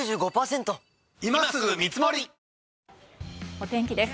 お天気です。